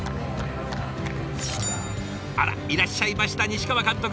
あらいらっしゃいました西川監督！